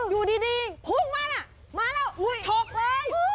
อยู่ดีพุ่งมาน่ะมาแล้วฉกเลย